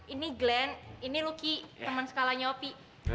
ini glen ini lucky teman sekalanya opi